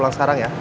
ah udah lah